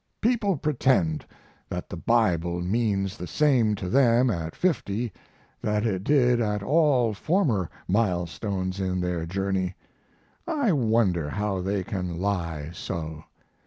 People pretend that the Bible means the same to them at 50 that it did at all former milestones in their journey. I wonder how they can lie so.